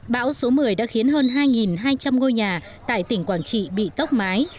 bão số một mươi đã khiến hơn hai hai trăm linh ngôi nhà tại tỉnh quảng trị bị tốc mái